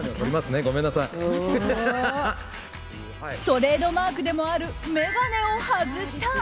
トレードマークでもある眼鏡を外した。